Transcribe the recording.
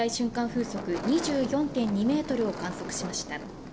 風速２４．２メートルを観測しました。